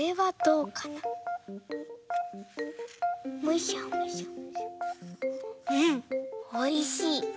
うんおいしい。